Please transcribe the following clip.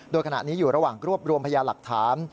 โดยขณะนี้อยู่ระหว่างรวบรวมพยาหลักฐาน